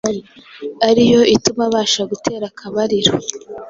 ariyo ituma abasha gutera akabariro